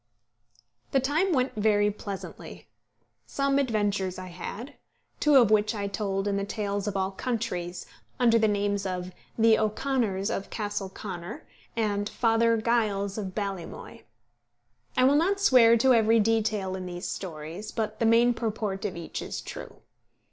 The time went very pleasantly. Some adventures I had; two of which I told in the Tales of All Countries, under the names of The O'Conors of Castle Conor, and Father Giles of Ballymoy. I will not swear to every detail in these stories, but the main purport of each is true.